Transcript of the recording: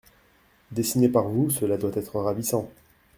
Dessinés par vous, cela doit être ravissant !